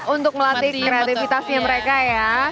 untuk melatih kreativitasnya mereka ya